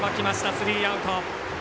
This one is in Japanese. スリーアウト。